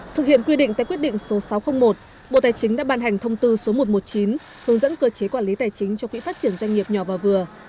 thực hiện quy định tại quyết định số sáu trăm linh một bộ tài chính đã ban hành thông tư số một trăm một mươi chín hướng dẫn cơ chế quản lý tài chính cho quỹ phát triển doanh nghiệp nhỏ và vừa